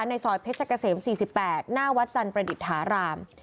ในซอยเพชรเกษม๔๘หน้าวัดจันทร์ประดิษฐาราม